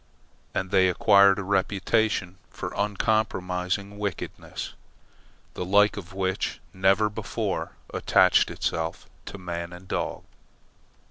And they acquired a reputation for uncompromising wickedness, the like of which never before attached itself to man and dog.